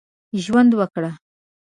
ژوند وکړ.